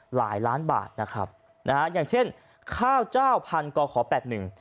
หลายล้านบาทนะครับนะฮะอย่างเช่นข้าวเจ้าพันก่อขอแปดหนึ่ง